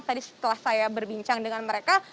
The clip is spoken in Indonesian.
tadi setelah saya berbincang dengan mereka